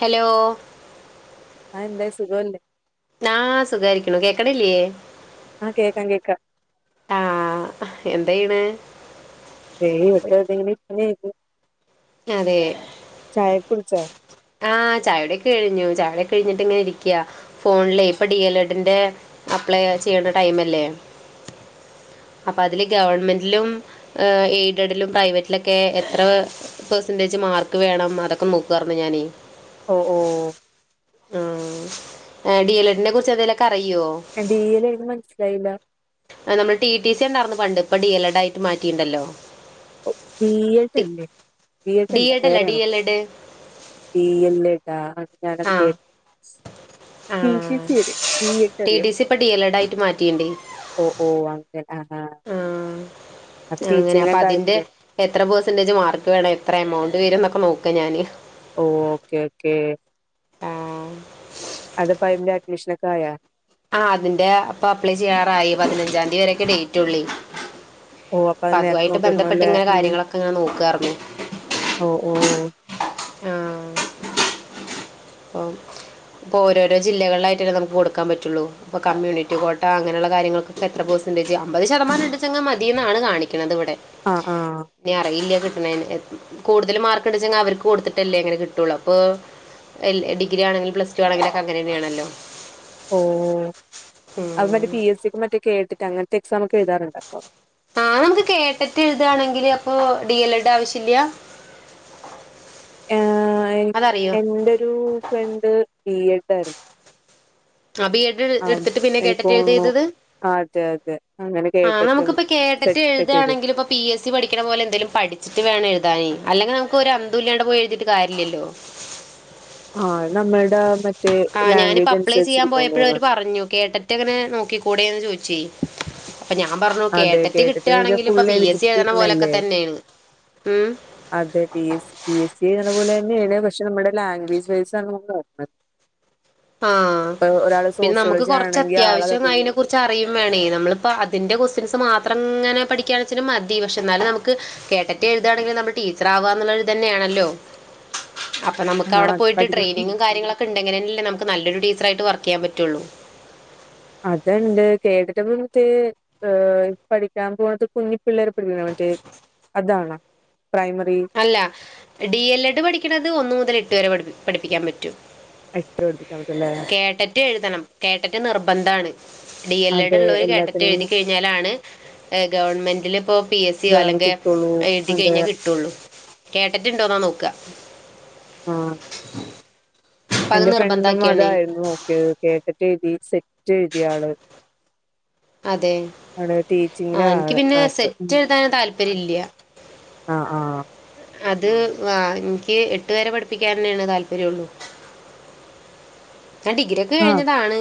Hello ആ എന്താ സുഖമല്ലേ ന സുഖാരിക്കണു കേക്കണല്ലേ ആ കേക്കാം കേക്കാം ആ എന്താ ചെയ്യണേ തെ [unintelligible] അതെ ചായ ഒക്കെ കുടിച്ചോ ആ ചായകുടിയൊക്കെ കഴിഞ്ഞു ചായയൊക്കെ കഴിഞ്ഞിട്ട് ഇങ്ങനെ ഇരിക്കയാ ഫോണിലേ ഇപ്പൊ ഡി എൽ എഡിന്റെ അപ്ലൈ ചെയ്യേണ്ട ടൈമല്ലേ അപ്പ അതില് ഗവൺമെന്റിലും എയ്ഡഡിലും പ്രൈവറ്റിലൊക്കെ എത്ര പെർസെന്റേജ് മാർക്ക് വേണം അതൊക്കെ നോക്കു ഞാനീ ഓ ഓഓ ആ ഡി എൽഡിനെ കുറിച്ച് എന്തേലും ഒക്കെ അറി - ടി ൽ എനിക്ക് മനസ്സിലായില്ല നമ്മള് ടി ടി സി ഉണ്ടായ്ർന്ന് പണ്ട് ഇപ്പൊ ഡി എൽ എഡ് ആയിട്ട് മാറ്റിണ്ടല്ലോ ബി എഡ്ല്ലേ ബി ഡി എഡ്ല്ല എഡ് അല്ല ഡി വേറെണോ എൽ എഡ് ബ എല്ലടാ ഞാൻ അത്‌ ആ കേട്ടിട്ടില്ല റ്റി റ്റി ആഹ് സി അറിയാം ബി ഇ ട് ടി അറിയാം ടി സി ഇപ്പൊ ഡി എൽ എഡ് ആയിട്ട് മാറ്റിയിണ്ടേ ഓ ഒ അങ്ങനെ ആഹാ അപ്പൊ ആഹ് അങ്ങനെ ടീച്ചിങ് ഒക്കെ - [unintelligible] എത്ര പേയ്സന്റേജ് മാർക്ക് വേണം എത്ര എമൗണ്ട് വര് എന്നൊക്കെ നോക്കാ ഞാന് ഓ ഓക്കെ ഓക്കേ ആഹ് അത പയ്ന്റെ അഡ്മിഷനൊക്കെ ആയാ? ആ അതിന്റെ അപ്പൊ അപ്ലൈ ചെയ്യാറായി പതിനഞ്ചാംതീ വരൊക്കെ ഡേറ്റ് ഉള്ളി ഓ അപ്പൊ അത് നേരത്തെ അതുവായിട്ട് നോക്കി ബന്ധപ്പെട്ട് വെക്കണല്ലേ ഇങ്ങനെ ഉം കാര്യങ്ങളൊക്കെ ഇങ്ങനെ നോക്കാർഞ്ഞു ഓ ഓ ആ ഇപ്പ ഇപ്പൊ ഓരോരോ ജില്ലകളിലായിട്ട് നമുക്ക് കൊടുക്കാൻ പറ്റുള്ളൂ ഇപ്പൊ കമ്മ്യൂണിറ്റി കോട്ട അങ്ങനെയുള്ള കാര്യങ്ങൾൊക്കെ എത്ര പെർസന്റേജ് അമ്പത് ശതമാനണ്ടെച്ചെങ്കി മതിന്നാണ് കാണിക്കുന്നത് ക്ക്ണത് വിടെ ആ ആ ഞ്ഞ് അറിയില്ല [unintelligible] കൂടുതൽ മാർക്ക് ണ്ട്ച്ചെങ്കി അവർക്ക് കൊടുത്തിട്ടല്ലേ അങ്ങനെ കിട്ടുള്ളു അപ്പൊ എ ഡിഗ്ര ആണെങ്കില പ്ലസ് ടു ആണെങ്കിലൊക്കെ അങ്ങനെന്നെയാണല്ലോ ഓ അവര് പി എസ് സിക്ക് മറ്റേ കേട്ടറ്റ് അങ്ങന റ്റെക്സാമൊക്കെ എഴുതാറുണ്ടപ്പോ ആ നമുക്ക് കേട്ടറ്റ് എഴുതാണെങ്കില് അപ്പൊ ഡി എൽ എഡ് ആവശ്യല്ല? ആ എന്റൊരു ഫ്രണ്ട് ബീയെഡായിരുന്നു ആ ബി എഡ് ഇട്ത്തിട്ട് പിന്നെ എനിക്ക് കേട്ടറ്റ് എഴുത തോന്നുന്നു ചെയ്തത് ആ, അതെ അതെ അങ്ങനെ ആ കേട്ടിട്ടും നമുക്കിപ്പ കേട്ടറ്റ് സെറ്റ് ഒക്കെ ഇടും. എഴുതയാണെങ്കിലിൽ ഇപ്പ പി എസ് സി പഠിക്കണ പോലെ എന്തെലും പഠിച്ചിട്ട് വേണം എഴു ക്കാന് അല്ലെങ്കി നമുക്ക് ഒരു അന്തുല്യാണ്ട പോയി എഴുതിയിട്ട് കാര്യല്ലല്ലോ ആ നമ്മള്ടെ മ ആഹ് ഞാനിപ്പോ അപ്ലൈ ചെയ്യാൻ പോയപ്പഴും അവര് പറഞ്ഞു കേട്ടറ്റങ്ങനെ നോക്കി കൂടെയന്ന് ചോയ്ച്ചു ചി അതെ കേട്ടിട്ട് ഫുള്ള് പി എസ് സി എഴുതണ പോലൊക്കെ എലിജിബിറ്റല്ലേ തന്നെയാണ് ഉം അതെ പി എസ് സി പിഎസ്‌സി എഴുതണ പോലെന്നെണ് പ പക്ഷെ നമ്മുടെ ലാംഗ്വേജ് വൈസാണ് നോക്കണത് ആഹ് പിന്നെ നമുക്ക് സോഷ്യോളജി കുറച്ച് ആണെങ്കിൽ അത്യാവശ്യം ആളതിന് അയിനെ കുറിച്ച് അറിയും വേണേ നമ്മളിപ്പ അതിന്റെ ക്വസ്റ്റ്യൻസ് മാത്രം ഇങ്ങനെ പഠിക്കാന്നെച്ചാലും മതി പക്ഷെ എന്നാലും നമുക്ക് കേട്ടറ്റ എഴുതാണെങ്കിലും നമ്മൾ ടീച്ചർ ആവാന്നുള്ള ഇതന്നെയാണല്ലോ അപ്പൊ നമുക്ക് അവിടെ ആഹ് പോയിട്ട് പഠിക്കണം ട്രെയിനിങ്ങും കാര്യങ്ങളൊക്കെ ഇണ്ടങ്കിലല്ലേ നമുക്ക് നല്ലൊരു ടീച്ചറായിട്ട് വർക്ക് ചെയ്യാൻ പറ്റുള്ളൂ അതണ്ട് കേട്ടട്ട മറ്റേ ഏഹ് പഠിക്കാൻ പോണ കുഞ്ഞി പിള്ളേരെ പടിപ്പിക്കണ മറ്റേ അതാണാ അല്ല ഡി എൽ എഡ് പഠിക്കണത് ഒന്നു മുതൽ എട്ട് വരെ പഠിപ്പിക്കും പഠിപ്പിക്കാൻ പറ്റും ആയിട്ട് പഠിപ്പിക്കാൻ പറ്റൂല്ലേ കേട്ടറ്റ് എഴുതണം കേട്ടറ്റ് നിർബന്ധാണ് ഡി എൽ എഡ് അതെ ഉള്ളോര് കേട്ടറ്റ് എല്ലാത്തിനും എഴുതി കഴിഞ്ഞാലാണ് ഗവണ്മെന്റിൽ ഇപ്പോ പി എസ് സിയോ ഗവൺമെന്റ് അല്ലെങ്കി കിട്ടുള്ളൂ എഴുതി അതെ കഴിഞ്ഞാൽ കിട്ടുള്ളൂ കേട്ടിട്ടുണ്ടോ എന്നാ നോക്ക ആഹ് അപ്പം അത് എന്റെ ഫ്രണ്ടും നിർബന്ധമാക്കിയാണ് അതയിരുന്നു ഓക്കെ കേട്ടറ്റ് എഴ്തി ഴുതിയാണ് അതെ ടീച്ചിങ്ങില ആ എനിക്ക് ആള് പിന്നെ ആൾക്ക് സെറ്റ് എഴുതാന താ പ്പരില്ല ആഹ് ആഹ് അത് വ എനിക്ക് എട്ടു വേരെ പഠിപ്പിക്കാൻന്നെയാണ് താല്പര്യംള്ളു ഞാൻ ഡിഗ്രി ഒക്കെ ആഹ് കഴിഞ്ഞതാണ്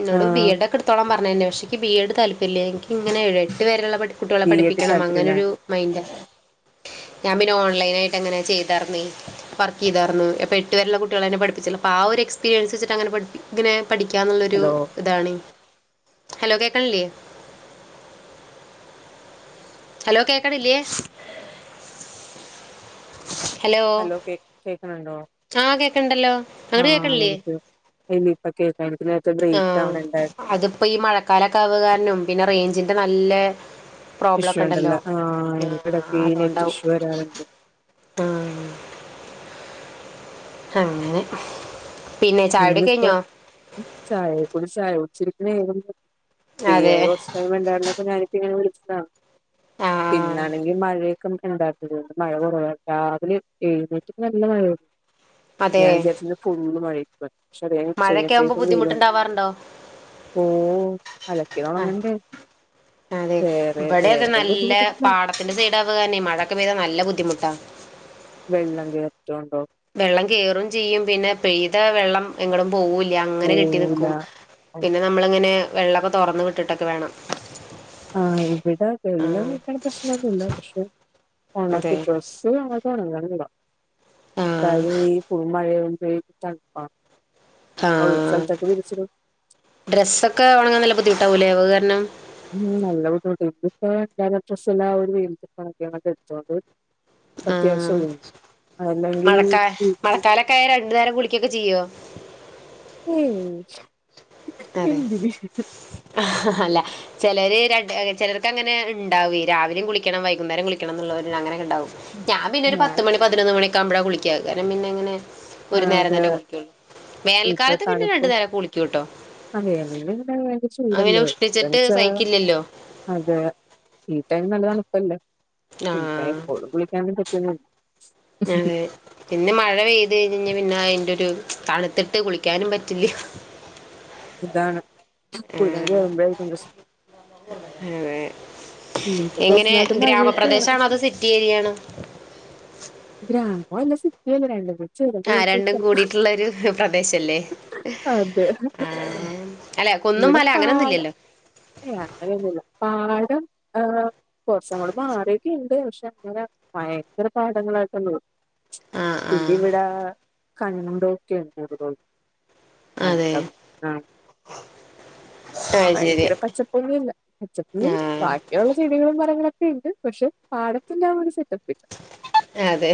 എന്നോട് ബി ആഹ് എഡ് ഒക്കെ എടുത്തോളാം പറ കാര എൻ്റെക്ഷേ ബി എഡ് താല്പയമില്ല എനി ഇങ്ങനെഴ എട്ട് വെയുള്ള കുട്ടികളെ ബി എഡ് പഠിപ്പിക്കണം അങ്ങനെരു താല്പര്യല്ലാണ് മൈൻഡ് ഞാൻ പിന്നെ ഓൺലൈൻ ആയിട്ട് അങ്ങനെ ചെയ്തർന്ന വർക്ക് ചെയ്തരുന്നു അപ്പൊ എട്ട് വരള്ള കുട്ടികള എന്നെ പഠിപ്പിച്ച അപ്പ ആ ഒര് പീരിയൻസ് വച്ചിട്ട് അങ്ങനെ പഠിപ്പിക്ക പഠിക്കാന്നുള്ളൊരു ഹലോ ഇതാണ് ഹലോ കേക്കണില്ലേ ഹലോ കേക്കണില്ലയേ ഹലോ കേ കേക്കണുണ്ടോ? ആ കേക്കണുണ്ടല്ലോ ആഹ് അങ്ങട്ട്കേക്കണില്ലേ എനിക്ക് ഇല്ല ഇപ്പൊ കേൾക്കാം എനിക്ക് നേരത്തെ ആ ബ്രേക്ക് അവിടെ ഉണ്ടായിരുന്നു അതിപ്പോ ഈ മഴക്കാലൊക്കെ ആവതു കാരണം പിന്നെ റേഞ്ച നല്ലെ ഇഷ്യൂ ഉണ്ടല്ലോ ആഹ് എനിക്ക് ഇടക്ക് ഈ നെറ്റ് അതുകൊണ്ടാവും ഇഷ്യൂ വരാറുണ്ട് അങ്നെ ഇന്നിപ്പോ ചായയെക്കൂടി ചായ കുടിച്ച് [unintelligible] അതെ ഫ്രീയായ കൊറച്ച് ടൈം ഉണ്ടായിരുന്നപ്പോ ഞാനിപ്പങ്ങനെ വിളി ആഹ് ആഹ് പിന്നാണെങ്കിൽ മഴ ണ്ടാ [unintelligible] മഴ കൊറവാ രാവിലെ എഴുന്നേറ്റപ്പോനല്ല മഴ ഞാൻ വിചാരിച്ചു ഇന്ന് ഫുൾ മഴ മഴക്കെ ആമ്പോ ബുദ്ധിമുട്ടുണ്ടാവാറുണ്ടോ? ഓ അലക്കിയത് അഹ് ഉണങ്ങണ്ടേ അതെ വേറെ ഇവിടെ അതെ വേറെ നല്ല ബുദ്ധിമുട്ടൊന്നുമില്ല പാടത്തിന്റെ സൈഡ് ആവുകരന്നെ മഴയൊക്കെ പെയ്താ നല്ല ബുദ്ധിമുട്ടാ. [unintelligible] വെള്ളം ചേറ്റൊണ്ടോ? വെള്ളം കേറും ചെയ്യും. പിന്നെ പെയ്ത വെള്ളം എങ്ങടും പോവില്ല അങ്ങനെ കെട്ടി പോവൂല നിൽക്കും പിന്നെ നമ്മളങ്ങനെ വെള്ളമൊക്കെ തുറന്ന് വിട്ടിട്ടൊക്കെ വേണം. ആ ഇവിടെ വെള്ളം ആഹ് കേറണ പ്രശ്നൊന്നുമില്ല പക്ഷെ ഉണക് അതെ ഡ്രസ്സ് ഉണക്കനാ ഇണ്ടോ ആഹ് [unintelligible] [unintelligible] തണുപ്പാ ആ ഡ്രസ്സൊക്കെ ഉണങ്ങാൻ നല്ല ബുദ്ധിമുട്ടാവല്ലേ ണം ഉം നല്ല ബുദ്ധിമുട്ട ഇതിപ്പോ ഇട്ടഡ്രസ് എല്ലാം ഒരു വെയിലത്തിട്ട് ഉണക്കിയാണ് [unintelligible] ആഹ് അത്യാവശ്യമുള്ളത്. ആ മഴക്കാ മഴക്കാലൊക്കെ രണ്ട് നേരം കുളിക്കൊക്കെ ചെയ്യും. ചെയ്യോ ഏയ് ആതെ എന്തിന് അല്ല ചിലര് ര ചിലർ അങ്ങനെ ഉണ്ടാവും രാവിലെയും കുളിക്കണം വൈകുന്നേരം കുളിക്കണം എന്നുള്ളവര് അങ്ങനെ ണ്ടാവും ഞാൻപിന്നെ ഞാൻ പത്ത് മണി പതിനൊന്ന് മണി മ്പള കുളിക്ക കാരണം പിന്നെ ഇങ്ങനെ ഒരു നേരം ആകെ തന്നെ കുളിക്കുള്ളൂ ഇപ്പൊ വേനൽക്കാലത്ത് പിന്നെ തണുപ്പ് രണ്ടു നേരം കുളിക്കൂട്ടോ ആ മേല് കഴുകാൻ ഭയങ്കര അങ്ങനെ ചൂടല്ലോ ഉഷ്ണിച്ചിട്ട് എന്തച്ചാ സഹിക്കില്ലല്ലോ അതെ നല്ല തണുപ്പല്ലേ പിന്നെ ഇപ്പോ ആഹ് എപ്പോഴും കുളിക്കാൻ അതെ പിന്നെ മഴ പെയ്തു അത് ക പിന്നെ അയിന്റെ ഒരു തണുത്തിട്ട് കുളിക്കാനും പറ്റില്ല അതാണ് ആ കുളിക്കണ്ട് വരുമ്പായി കൊ അതെ ഇനിയിപ്പൊ കുറച്ചു എങ്ങനെ നാളത്തെ ഗ്രാമപ്രദേശ മഴയൊക്കെയാണ് ആണോത് സിറ്റി ഏരിയയാണോ? ഗ്രാമവും അല്ല സിറ്റിയും അല്ല രണ്ടും കൂ ആ രണ്ടും കൂടിയിട്ടുള്ള ഒരു [unintelligible] പ്രദേശല്ലേ അത് ആ അല്ല കുന്നും ഇവിടെ മല പാടം അങ്ങനൊന്നുംല്ലല്ലോ ഏയ് അങ്ങനൊന്നും ഇല്ല പാടം ആഹ് കൊറച്ച് അങ്ങട് മാറിയൊക്കെ ഇണ്ട്. പക്ഷെ അങ്ങനെ ഭയങ്കര പാടങ്ങളായിട്ട് [unintelligible] ആ ആ ഇതിവിടെ കണ്ടോക്കെണ്ട് അതുപോലത്തെ അതെ [unintelligible] അത് ശരി ഭയങ്കര പച്ചപ്പൊന്നും ഇല്ല. പച്ചപ്പ് ആ മീൻസ് ബാക്കിയുള്ള ചെടികളും മരങ്ങളൊ [unintelligible] ണ്ട് പക്ഷെ പാടത്തിനാ ഒരു സെറ്റപ്പില്ല. അതെ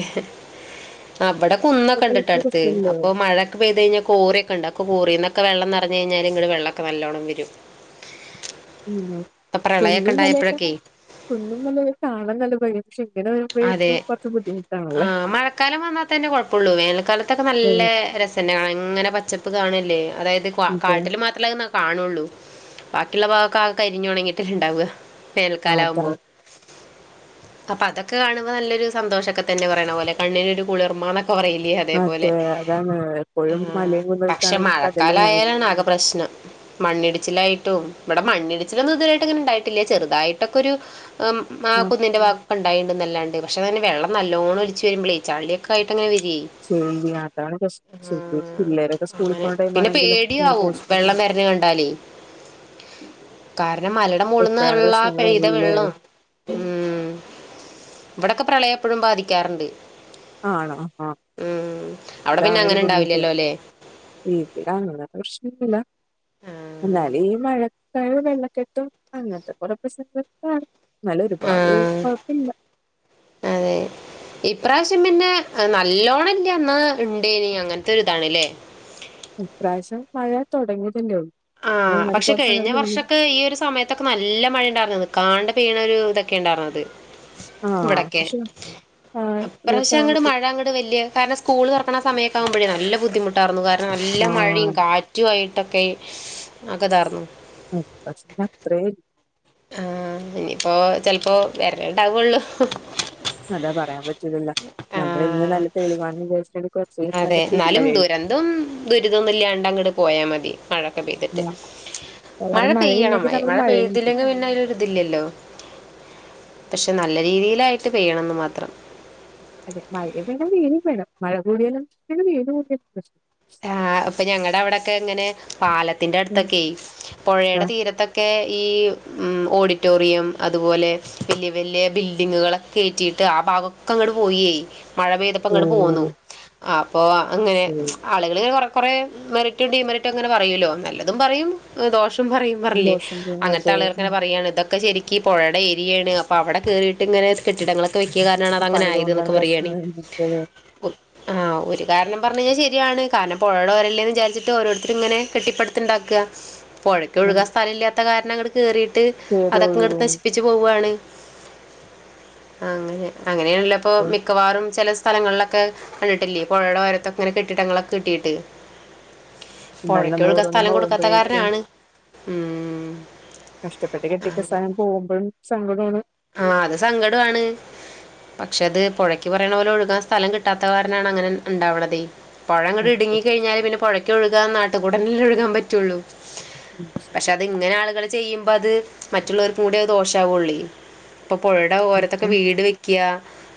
അവടെ കുന്നൊക്കെ ഉണ്ട് അടുത്ത്. രസല്ലേ അപ്പൊ മഴൊക്ക പെയ്ത് കഴിഞ്ഞാ കോറി ഒക്കെ ഒണ്ട്. അപ്പൊ കോറീന്നൊക് ക്കെ വെള്ളം നെറഞ്ഞ് കഴിഞ്ഞാല് ഇങ്ങട് വെള്ളോക്കെ നല്ലോണം വരും. ഉം ഇപ്പൊ പ്രളയൊക്കെ കുന്നും മലയൊക്കെ ഉണ്ടായപ്പോഴൊക്കെ കുന്നും മലയൊക്കെ കാണാൻ നല്ല [unintelligible] അതെ വരുമ്പോഴേക്കും കുറച്ച് ആ ബുദ്ധിമുട്ടാണല്ലേ. മഴക്കാലം വന്നാത്തന്നെ കൊഴപ്പൊടള്ളൂ. വേനൽക്കാലത്തൊക്കെ ഏ നല്ല രസന്നെ കാണാൻ. ഇങ്ങനെ പച്ചപ് പ് കാണല്ലേ. അതായത് അതെ കാട്ടില് മാത്രല്ലേങ്ങനെ കാണുള്ളൂ. ബാക്കിയുള്ള ഭാഗൊക്കെ ആകെ കരിഞ്ഞൊണങ്ങിയിട്ടല്ലേ ഇണ്ടാവുക? വേനൽക്കാലാവുമ്പോ അതാണ് അപ്പൊ അതക് കെ കാണുമ്പോ നല്ലൊരു സന്തോഷൊക്കെ തന്നെ പറയണ പോലെ കണ്ണിനൊരു കുളിർമാന് നൊക്കെ പറയില്ലേ അതേപോലെ. അതെ അതാണ് എപ്പോഴും മലയും കുന്നൊക്കെ പക്ഷെ കാണുമ്പോ കടലും ആഹ് മഴക്കാലയാലാണ് ആകെ പ്രശ്നം. മണ്ണിടിച്ചിലായിട്ടും ഇവിടെ മണ്ണിടിച്ചിലൊന്നും ഇതുവരെയായിട്ട് ഇങ്ങനെ ഇണ്ടായിട്ടില്ല. ചെറുതായിട്ടൊക്കെ ഒരു ആ മ് കുന്നിന്റെ [unintelligible] ണ്ടായിന്നല്ലാണ്ട്. പക്ഷെതിന് വെള്ളം നല്ലോണം ഒലിച്ച് വരുമ്പളേ ചള്ളിയൊക്കെയിട്ട് അങ്ങനെ വരു ചെളി അതാണ് പ്രശ്നം. [unintelligible] അതാണ് പ്രശ്നം ആഹ് പിള്ളേരൊക്കെ സ്കൂളിൽ അങ്ങനെ പോണ പിന്നെ ടൈമാണെങ്കിലും പേടിയാവും [unintelligible] വെള്ളം കാ പിന്നെ മലയുടെ മോളുന്നു ഉള്ള പെയ്ത എല്ലാം വെള്ളം ഉം ഇവിടൊക്കെ പ്രളയം എപ്പോഴും ബാധിക്കാറുണ്ട്. ആണോ ആ. ഉം അവിടെ അതാ പിന്നെ ആകെയൊരു അങ്ങനെ ബുദ്ധിമുട്ട്. ഉണ്ടാവില്ലല്ലോ ല്ലേ ബിപിയുടെ അങ്ങനെ പ്രശ്നൊന്നില്ല. എന്നാല് ആഹ് ഈ മഴ [unintelligible] വെള്ളക്കെട്ടും അങ്ങത്തെ പോലെ പ്രശ്നങ്ങൾ [unintelligible] എന്നാല് ഒരുപാട് ആഹ് കൊഴപ്പയില്ല. അതെ ഇപ്രാവശ്യം പിന്നെ നല്ലോണല്ലേ ന്നാ ണ്ടേനി അങ്ങനത്തെ ഒര് ഇതാണല്ലേ ഇപ്രാവശ്യം മഴ തുടങ്ങിയത് ല്ലേ ഉള്ളൂ ആഹ് ഞങ്ങക്ക് പക്ഷെ കുറച്ച് കഴിഞ്ഞ അങ്ങോട്ട് നീങ്ങി വർഷൊക്കെ ഈ ഒരു സമയത്തൊക്കെ നല്ല മഴയ ഉണ്ടായിരുന്നു നിക്കാണ്ട പെയ്യണ ഒരു ഇതൊക്കെ ഉണ്ടായിരുന്നുത് ആ ഇവിടൊക്കെ പക്ഷെ ആ അപ്രാവശ്യ ഇപ്പൊ- അങ്ങോട്ട് മഴ അങ്ങോട്ട് വല്യ കാരണം സ്കൂള് തുറക്കണ സമയ ആകുമ്പഴ നല്ല ബുദ്ധിമുട്ടായിരുന്നു നല്ല ആ മഴയും കാറ്റുമായിട്ട് മുറ്റക്കെ ആക്കെ താർന്നു പക്ഷ അത്ര ആഹ് ഇനിയിപ്പോ ചെലപ്പോ വെരല് ഇണ്ടാവോള്ളൂ അതാ പറയാൻ പറ്റൂല്ലല്ലോ നമ്മൾ ഇന്ന് ആഹ് നല്ല തെളിവാന്ന് വിചാരിച്ചിട്ടാട് അതെ എന്നാലും ദുരന്തം ദുരിതൊന്നും ഇല്ലാണ്ട് അങ്ങട് പോയാൽ മതി മഴൊക്കെ പെയ്തിട്ട് ആ മഴ കാരണം പെയ്യണം മഴയില്ലെങ്കിൽ നമ്മള് മഴ മഴയും നിക്കും പെയ്തില്ലെങ്കിൽ പിന്നെ അതിലൊരിതില്ലല്ലോ പക്ഷെ നല്ല രീതിയിലായിട്ട് പെയ്യണെന്ന് മാത്രം. അതെ മഴേം വേണം വെയിലും വേണം മഴ കൂടിയാലും വെയില് കൂടിയാലും പ്രശ്നം. ആഹ് അപ്പൊ ഞങ്ങടെ അവിടൊക്കെ ഇങ്ങനെ പാലത്ത് ത്തിന്റെ ഉം അടുത്തൊക്കെ പൊഴേടെ ആഹ് തീരത്തൊക്കെ ഈ ഉം ഓഡിറ്റോറിയം അതുപോലെ വെല്യ വെല്യ ബിൽഡിങ്ങുകളൊക്കെ കേറ്റീട്ട് ആ ഭാഗമൊക്കെ അങ്ങട് പോയേ മഴ പെയ്തപ്പോ ഇങ്ങട് പോന്നു ഓഹ് അ അപ്പൊ അങ്ങനെ ശരി ആളുകളിങ്ങനെ കൊറെ കൊറെ മെറിറ്റും ഡീമെറിറ്റും ഇങ്ങനെ പറയുവല്ലോ നല്ലതും പറയും ദോഷം പറയും പറയില്ലേ ദോഷം ചെയ്യും അങ്ങനത്തെ അതെ ഉം ആള്കൾക്കെങ്ങെനെ പറയാണ് ഇതൊക്ക് ഒക്കെ ശരിക്ക് ഈ പൊഴേടെ ഏരിയാണ് അപ്പോ അവിടെ കേറിയിട്ട് ഇങ്ങനെ കെട്ടിടങ്ങളൊക്ക് [unintelligible] ക്കിയ കാരണാണ് അത് ഇപ്പൊ അങ്ങനെ ആയത് പണിതുകൊണ്ടാണ് എന്നൊക്കെ പറയാണേ പ്രശ്നം മറ്റേത് ഉത് ആഹ് ഒരു കാരണം പറഞ്ഞ് കഴിഞ്ഞാ ശരി യാണ് കാരണം പൊഴേടെ ഓരല്ലേന്ന് വിചാരിച്ചിട്ട് ഓരോരുത്തരും ഇങ്ങനെ കെട്ടിപ്പടുത്തുണ്ടാക്കാ. പൊഴക്ക് ഉം ഒഴുകാൻ സ്ഥല ഇല്ലാത്ത കാര ടങ്ങട് കേറീട്ട് ട്ട് അതൊക്കെ അടുത്ത് കേടൊഴുകും നശിപ്പിച്ച് പോവുകയാണ് അങ്ങനെ അങ്ങനെയണല്ലപ്പോൾ ഉം മിക്കവാറും ചില സ്ഥലങ്ങളിലൊക്കെ കണ്ടിട്ടില്ല പുഴയുടെ വയരത്തൊങ്ങനെ കെട്ടി കെട്ടിടങ്ങളൊക്കെ കെട്ടിയിട്ട് എന്നാലും പുഴക്ക നമ്മൾ ഒഴുക ഓരോന്നും സ്ഥലം കൊടുക്കാത്ത പോകുമ്പോഴേക്കും കാരനാണ് ഉം കഷ്ടപ്പെട്ട് കെട്ടിക്ക സായം പോകുമ്പോഴും സങ്കടമാണ് ആ അത് സങ്കടമാണ് പക്ഷെ അത് പുഴക്ക് പറയണ പോലെ ഒഴുകാൻ സ്ഥലം കിട്ടാത്തവാരനാണ് അങ്ങനെ ഉണ്ടാവണത്േ പഴങ്ങിടി ഇടുങ്ങ നമുക്ക് കഴിഞ്ഞാല് പിന്നെ പുഴക്കൊഴുകൻാ അത്ത ഉടനെ ഒഴുകാൻ പറ്റുള്ളൂ ഉം ശരി പക്ഷെ അത് ഇങ്ങനെ ആളുകൾ ചെയ്യും അപ്പം അത് മറ്റുള്ളവർക്ക കൂടെ ദോഷമാവുകയുള്ള ഇപ്പൊ പുഴയുടെ ഉം ഓരത്തൊക്കെ ഉം വീട് വെക്കുക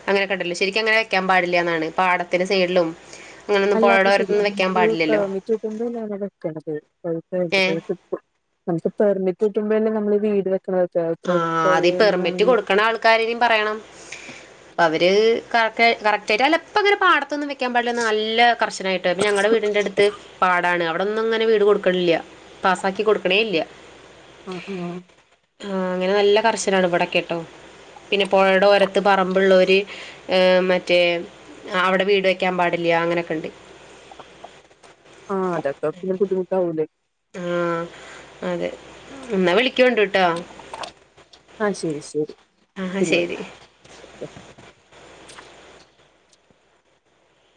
അങ്ങനെ കണ്ടല്ലോ ശെരിക്കും അങ്ങനെ വെക്കാൻ പാടില്ലന്നാണ് പാടത്തിന്റെ സൈഡിലും അങ്ങനെയൊന്നും അല്ല അപ്പ പുഴയുടെ ഓരത്തൊന്നും വെക്കാൻ പാടില്ലല്ലോ ശുംറ്റട്ടോല്ല വെക്ക ഏ പെർി കിട്ടുമോല്ല നമ്മ വീട് വ ആഹ അത് പെർമിറ്റ് കൊടുക്കണ ആൾക്കാരനും പറയണം അ അവ ഒരു കറക് കറക്റ്റ്ായിട്ട് അല്ലപ്പപ്പോങ്ങനെ പാടത്തുന്നും വെക്കാൻ പാടില്ല നല്ല കർശനായിട്ട് ഞുടെ വീടിന്റെറടുത്ത് പാടാണ് അവിടെ അവിടൊന്നും അങ്ങനെ വീട് കൊടുക്കണില്ല പാസ്സാക്കി കൊടുക്കണേ ഇല്ല ആഹ ആഹ ആ അങ്ങനെ നല്ല കർശന ഇവിടെൊക്കെ കേട്ടോ പിന്നെ പുഴയുടെ ഓരത്ത് പറമ്പ്ുള്ളവര് മറ്റേ അവിടെ വീട് വെക്കാൻ പാടില്ല അങ്ങനൊക്കെണ്ട് ആഹ് അതൊക്കെ പിന്നെ ബുദ്ധിമുട്ടാവൂലേ ആഹ അതെ എന്നാ വിളിക്കോണ്ടട്ട ആഹ ശരി ശരി ആഹ പിന്നെ ശരി വിളിക്കാം